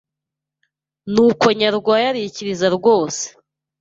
nuko nyarwaya arikiriza rwose.